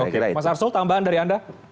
oke mas arsul tambahan dari anda